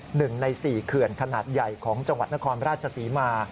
หนึ่งในสี่เขื่อนขนาดใหญ่ของจังหวัดนครราชศรีมา